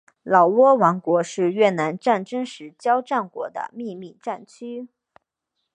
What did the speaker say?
老挝王国是越南战争时交战国的秘密战区。